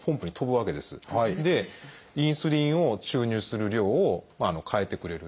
インスリンを注入する量を変えてくれる。